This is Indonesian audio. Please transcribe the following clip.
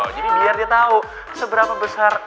jadi biar dia tau seberapa besar